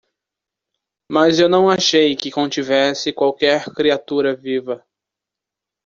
Mas eu não achei que contivesse qualquer criatura viva.